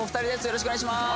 よろしくお願いします